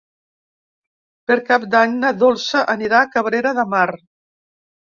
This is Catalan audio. Per Cap d'Any na Dolça anirà a Cabrera de Mar.